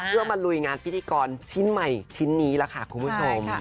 เพื่อมาลุยงานพิธีกรชิ้นใหม่ชิ้นนี้ล่ะค่ะคุณผู้ชม